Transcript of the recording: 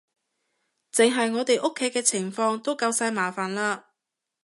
淨係我哋屋企嘅情況都夠晒麻煩喇